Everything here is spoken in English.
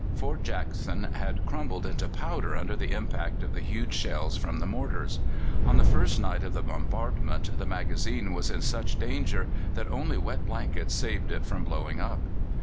Fort Jackson had crumbled into powder under the impact of the huge shells from the mortars. On the first night of the bombardment the magazine was in such danger that only wet blankets saved it from blowing up.